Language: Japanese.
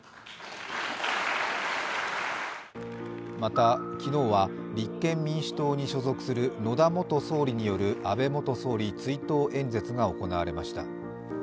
また、昨日は立憲民主党に所属する野田元総理による安倍元総理追悼演説が行われました。